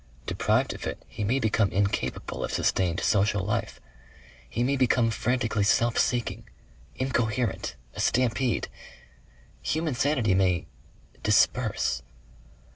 Deprived of it he may become incapable of sustained social life. He may become frantically self seeking incoherent... a stampede.... Human sanity may DISPERSE.